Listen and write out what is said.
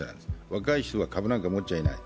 若い人は株なんか持っちゃいない。